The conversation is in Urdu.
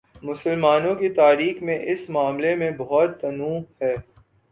مسلمانوں کی تاریخ میں اس معاملے میں بہت تنوع ہے۔